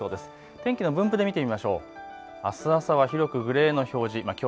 天気分布で見てみましょう。